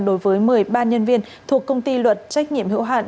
đối với một mươi ba nhân viên thuộc công ty luật trách nhiệm hữu hạn